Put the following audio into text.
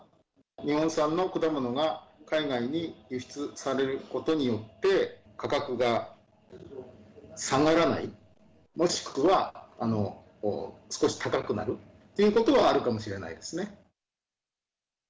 日本産の果物が海外に輸出されることによって、価格が下がらない、もしくは少し高くなるっていうことはあるかもしれないですね。